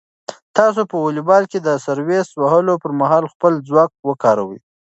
تاسو په واليبال کې د سرویس وهلو پر مهال خپل ځواک وکاروئ.